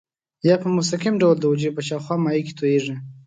یا په مستقیم ډول د حجرې په شاوخوا مایع کې تویېږي.